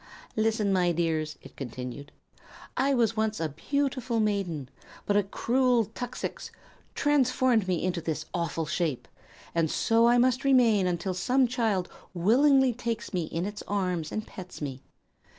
"Listen, my dears," it continued; "I was once a beautiful maiden, but a cruel tuxix transformed me into this awful shape, and so must I remain until some child willingly takes me in its arms and pets me.